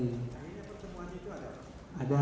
yang pertemuan itu ada apa